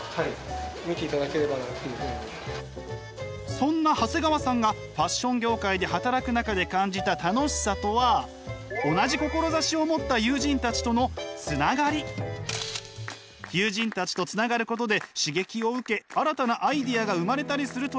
そんな長谷川さんがファッション業界で働く中で感じた楽しさとは友人たちとつながることで刺激を受け新たなアイデアが生まれたりするという長谷川さん。